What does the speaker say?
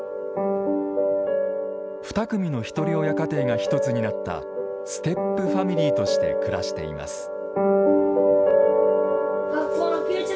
２組のひとり親家庭が一つになったステップファミリーとして暮らしています。